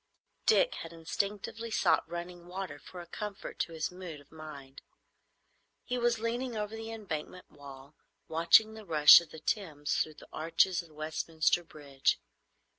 Dick had instinctively sought running water for a comfort to his mood of mind. He was leaning over the Embankment wall, watching the rush of the Thames through the arches of Westminster Bridge.